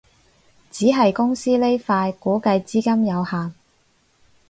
只係公司呢塊估計資金有限